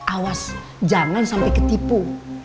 awas jangan sampai ketipu